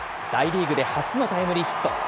大リーグで初のタイムリーヒット。